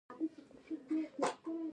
هغه له لږو کسانو سره کندهار ته روان شو.